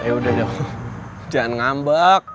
eh udah jangan ngambek